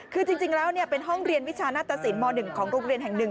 คือจริงแล้วเป็นห้องเรียนวิชาหน้าตสินม๑ของโรงเรียนแห่งหนึ่ง